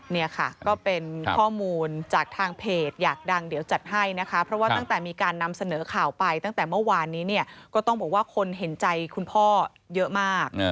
เนี่ยค่ะก็เป็นข้อมูลจากทางเพจอยากดังเดี๋ยวจัดให้นะคะเพราะว่าตั้งแต่มีการนำเสนอข่าวไปตั้งแต่เมื่อวานนี้เนี่ยก็ต้องบอกว่าคนเห็นใจคุณพ่อเยอะมาก